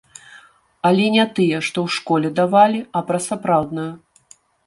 Але не тыя, што ў школе давалі, а пра сапраўдную.